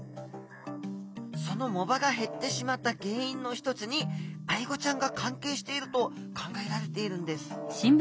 その藻場が減ってしまった原因の一つにアイゴちゃんが関係していると考えられているんです。